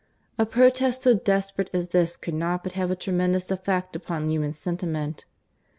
A protest so desperate as this could not but have a tremendous effect upon human sentiment.